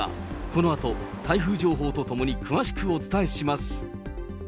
このあと台風情報とともに詳しくお伝えします。